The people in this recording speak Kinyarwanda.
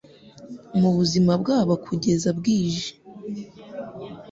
Mubuzima bwabo kugeza bwije